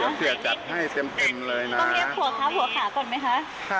เดี๋ยวเสียจัดให้เต็มเต็มเลยน่ะต้องคิดขับหัวค่ะขับหัวขาก่อนไหมครับ